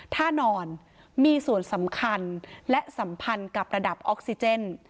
ท่านอนมีส่วนสำคัญและสัมพันธ์กับระดับออกซิเจน